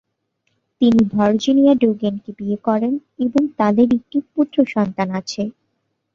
তিনি ভার্জিনিয়া ডুগ্যান-কে বিয়ে করেন এবং তাদের একটি পুত্রসন্তান আছে।